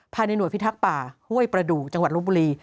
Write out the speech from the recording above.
ภายในหน่วยพิทักษ์ป่าห้วยประดูกจังหวัดลบบุรี